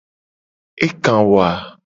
Eka wo a?